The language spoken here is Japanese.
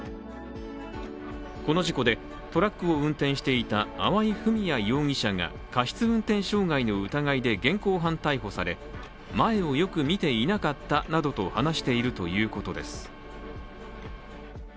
この事故でトラックを運転していた粟井文哉容疑者が過失運転傷害の疑いで現行犯逮捕され前をよく見ていなかったなどと話しているということです。